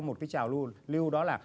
một cái trào lưu đó là